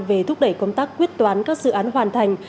về thúc đẩy công tác quyết toán các dự án hoàn thành